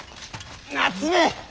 夏目！